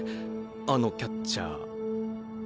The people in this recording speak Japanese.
あのキャッチャー。